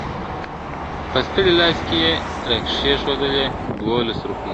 په ستړي لاس کي یې را کښېښودلې دوولس روپۍ !.